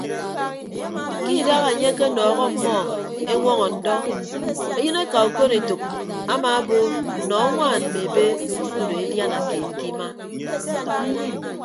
Ke idaha enye akenọọhọ ọmmọ eñwọñọ ndọ eyịneka okon etәk amaabo nọ añwaan mme ebe odo ediana keed ke ima.